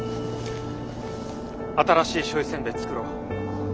新しい醤油せんべい作ろう！